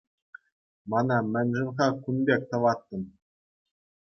Мана мӗншӗн-ха кун пек тӑватӑн?